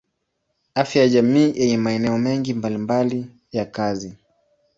Afya ya jamii yenye maeneo mengi mbalimbali ya kazi.